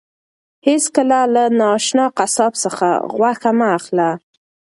هیڅکله له نااشنا قصاب څخه غوښه مه اخله.